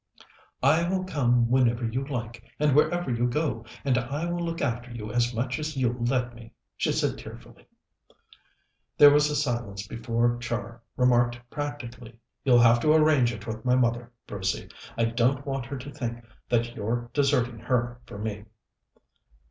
"I will come whenever you like, and wherever you go, and I will look after you as much as you'll let me," she said tearfully. There was a silence before Char remarked practically: "You'll have to arrange it with my mother, Brucey. I don't want her to think that you're deserting her for me."